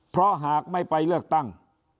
เพราะหากไม่ไปเลือกตั้ง